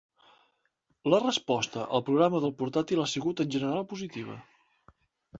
La resposta al programa del portàtil ha sigut en general positiva.